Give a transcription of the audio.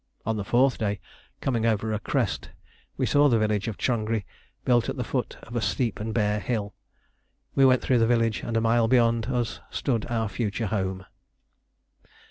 On the fourth day, coming over a crest, we saw the village of Changri built at the foot of a steep and bare hill. We went through the village, and a mile beyond us stood our future home.